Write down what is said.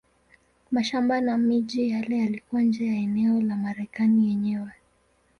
Mashamba na miji yale yalikuwa nje ya eneo la Marekani yenyewe.